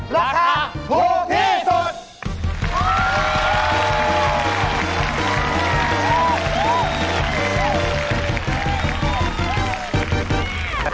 ราคาถูกที่สุด